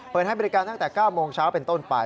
ให้บริการตั้งแต่๙โมงเช้าเป็นต้นไป